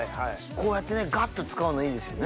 こうやってねガッと使うのいいですよね。